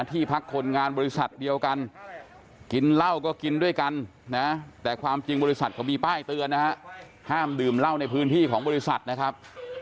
ที่พักคนงานบริษัทเดียวกันกินเหล้าก็กินด้วยกันนะแต่ความจริงบริษัทเขามีป้ายเตือนนะฮะห้ามดื่มเหล้าในพื้นที่ของบริษัทนะครับ